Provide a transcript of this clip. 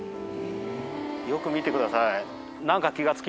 よく見てください。